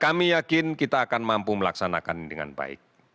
kami yakin kita akan mampu melaksanakan ini dengan baik